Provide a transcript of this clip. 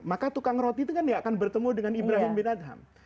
maka tukang roti itu kan tidak akan bertemu dengan ibrahim bin adham